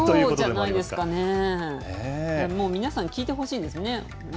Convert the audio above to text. もう皆さん、聞いてほしいですね、